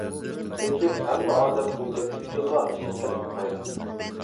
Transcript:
لېكىن، ھەممە ئادەم پۇل تېپىش ئۈچۈنلا شىركەت قۇرمايدۇ.